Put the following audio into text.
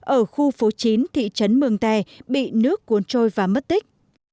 ở khu phố chín thị trấn mường tè bị nước cuốn trôi và mất tích